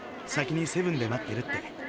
「先にセブンで待ってる」って。